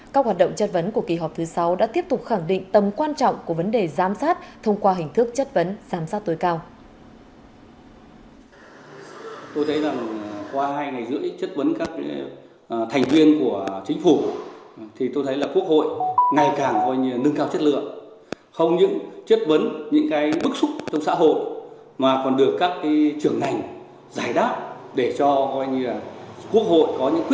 các hoạt động chất vấn cử tri và nhân dân đánh giá cao phần trả lời của các thành viên chính phủ